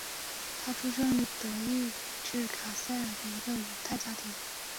他出生于德意志卡塞尔一个犹太家庭。